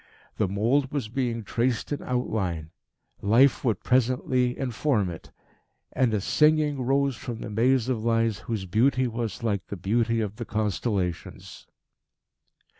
The mould was being traced in outline. Life would presently inform it. And a singing rose from the maze of lines whose beauty was like the beauty of the constellations.